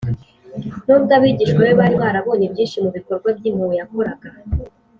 nubwo abigishwa be bari barabonye byinshi mu bikorwa by’impuhwe yakoraga